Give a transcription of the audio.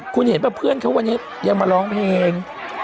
คุณเห็นเหรอเพื่อนเขาว่าอย่ามาร้องเพลง